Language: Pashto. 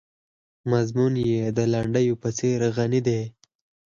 مضمون یې د لنډیو په څېر غني دی.